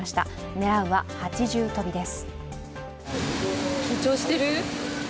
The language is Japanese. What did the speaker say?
狙うは８重跳びです。